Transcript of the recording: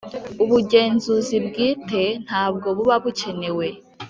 Ubugenzuzi bwite nabwo buba bukenewe